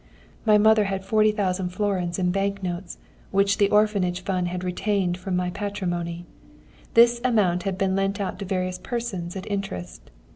My mother had 40,000 florins in bank notes, which the Orphanage Fund had retained from my patrimony. This amount had been lent out to various persons at interest.